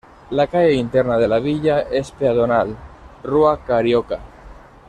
La calle interna de la villa es peatonal, Rua Carioca.